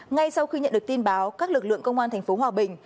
ngay sau khi nhận được tin báo các lực lượng công an tp hòa bình